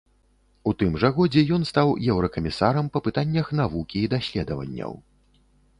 У тым жа годзе ён стаў еўракамісарам па пытаннях навукі і даследаванняў.